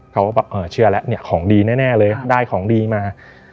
เขาก็บอกเชื่อแล้วเนี่ยของดีแน่เลยได้ของดีมา